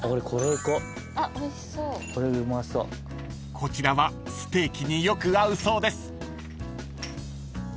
［こちらはステーキによく合うそうです］